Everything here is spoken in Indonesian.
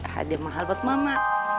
hadiah mahal buat mama